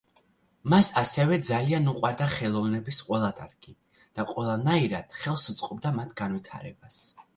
მას ასევე ძალიან უყვარდა ხელოვნების ყველა დარგი და ყველანაირად ხელს უწყობდა მათ განვითარებას.